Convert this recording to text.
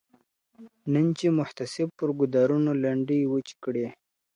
نن چي محتسب پر ګودرونو لنډۍ وچي کړې.